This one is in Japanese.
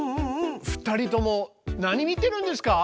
２人とも何見てるんですか？